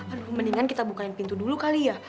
aduh mendingan kita bukain pintu dulu kali ya